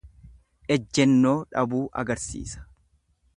Ejjennoo dhabuu agarsiisa.